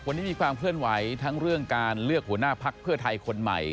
วันนี้มีความเคลื่อนไหวทั้งเรื่องการเลือกหัวหน้าพักเพื่อไทยคนใหม่